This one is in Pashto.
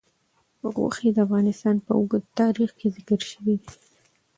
غوښې د افغانستان په اوږده تاریخ کې ذکر شوي دي.